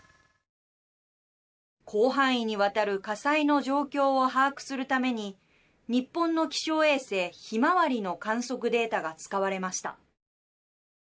広範囲に渡る火災の状況を把握するために日本の気象衛星「ひまわり」の観測データが使われました。